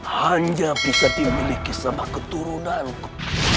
hanya bisa dimiliki sama keturunanku